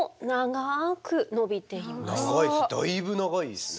長いだいぶ長いですね。